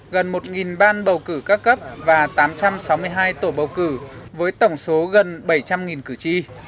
gần một ban bầu cử các cấp và tám trăm sáu mươi hai tổ bầu cử với tổng số gần bảy trăm linh cử tri